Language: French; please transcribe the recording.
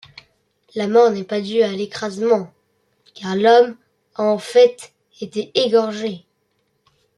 La mort n'est pas due à l'écrasement car l’homme a en fait été égorgé.